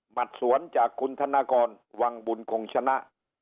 สวนจากคุณธนกรวังบุญคงชนะ